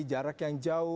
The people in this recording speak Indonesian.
jarak yang jauh